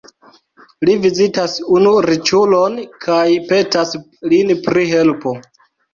Li vizitas unu riĉulon kaj petas lin pri helpo.